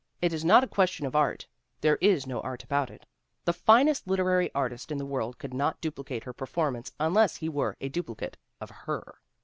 It is not a question of art. There is no art about it. The finest literary artist in the world could not duplicate her performance un less he were a duplicate of her.